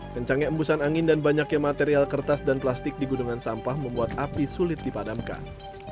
kencangnya embusan angin dan banyaknya material kertas dan plastik di gunungan sampah membuat api sulit dipadamkan